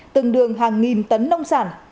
từng đường hàng nghìn tấn nông sản